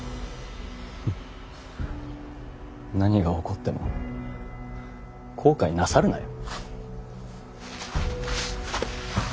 ふん何が起こっても後悔なさるなよ！